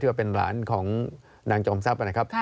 ที่ว่าเป็นหลานของนางจงศัพท์นะครับ